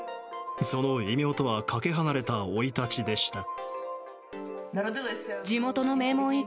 その異名とはかけ離れた生い立ちでした。